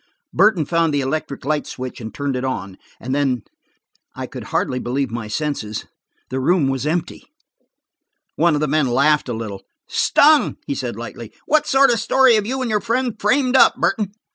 Burton found the electric light switch and turned it on. And then–I could hardly believe my senses. The room was empty. One of the men laughed a little. "Stung!" he said lightly. "What sort of a story have you and your friend framed up, Burton?'